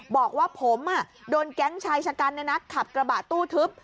บอกว่าผมโดนแก๊งชายชะกันขับกระบะตู้ทึบ